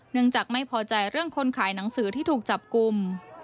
จากไม่พอใจเรื่องคนขายหนังสือที่ถูกจับกลุ่ม